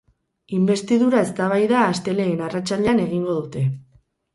Inbestidura eztabaida astelehen arratsaldean egingo dute.